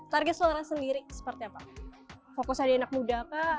target suara sendiri seperti apa fokus ada anak muda kah